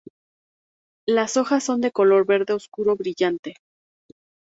Las hojas son de color verde oscuro brillante.